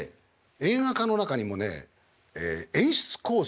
映画科の中にもね演出コース